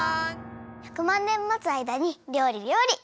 １００まんねん待つあいだにりょうりりょうり。